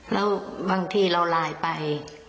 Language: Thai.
แล้วบางทีเราไลน์ไป